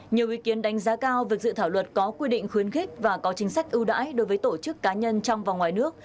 nhiều ý kiến đánh giá cao việc dự thảo luật có quy định khuyến khích và có chính sách ưu đãi đối với tổ chức cá nhân trong và ngoài nước